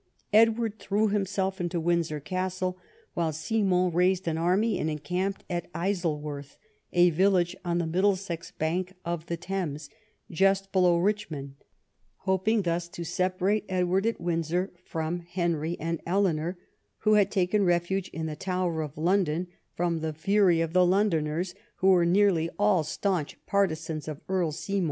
Edward threw himself into Windsor Castle, while Simon raised an army and encamped at Isleworth, a village on the Middlesex bank of the Thames, just below Richmond, hoping thus to separate Edward at Windsor from Henry and Eleanor, who had taken refuge in the Tower of London from the fury of the Londoners, who were nearly all staunch partisans of Earl Simon.